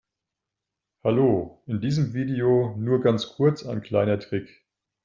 Hallo, in diesem Video nur ganz kurz ein kleiner Trick.